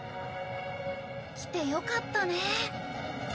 来てよかったね。